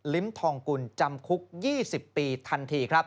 ลิ้มทองกุลจำคุก๒๐ปีทันที